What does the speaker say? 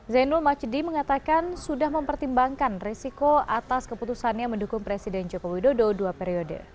zainul majdi mengatakan sudah mempertimbangkan risiko atas keputusannya mendukung presiden joko widodo dua periode